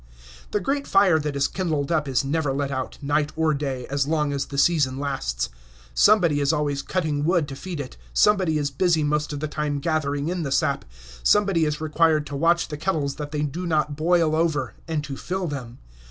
The great fire that is kindled up is never let out, night or day, as long as the season lasts. Somebody is always cutting wood to feed it; somebody is busy most of the time gathering in the sap; somebody is required to watch the kettles that they do not boil over, and to fill them.